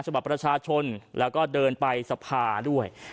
ฉบับประชาชนแล้วก็เดินไปสภาด้วย